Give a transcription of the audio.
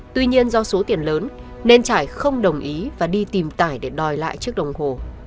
tuy nhiên do số tiền lớn nên trải không đồng ý và đi tìm tải để đòi lại chiếc đồng hồ